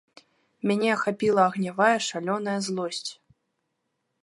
Мяне ахапіла агнявая шалёная злосць.